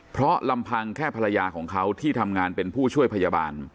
เพราะลำพังแค่ภรรยาของเขาที่ทำงานเป็นผู้ช่วยพยาบาล